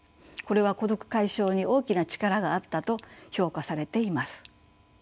これは孤独解消に大きな力があったと評価されています。